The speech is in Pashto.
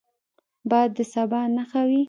باد د سبا نښه وي